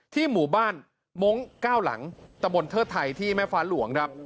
ที่หมู่บ้านมงค์ก้าวหลังตะบนเทอดไทยที่แม่ฟ้านหลวง